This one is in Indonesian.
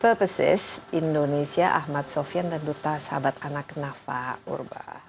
purposes indonesia ahmad sofian dan duta sahabat anak nafa urba